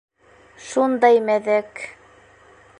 Шундай мәҙәк...